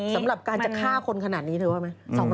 สำหรับการจะฆ่าคนขนาดนี้เธอว่าไหม